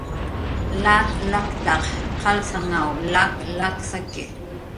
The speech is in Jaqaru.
Lak laktaq qalsananw lak lak saki